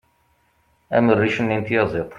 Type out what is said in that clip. am rric-nni n tyaziḍt